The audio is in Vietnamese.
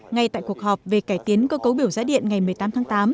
ngay tại cuộc họp về cải tiến cơ cấu biểu giá điện ngày một mươi tám tháng tám